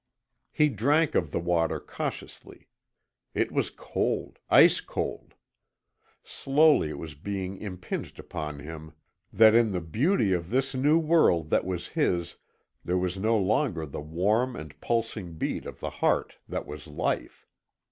He drank of the water cautiously. It was cold ice cold. Slowly it was being impinged upon him that in the beauty of this new world that was his there was no longer the warm and pulsing beat of the heart that was life.